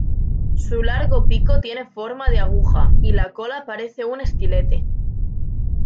Su largo pico tiene forma de aguja y la cola parece un estilete.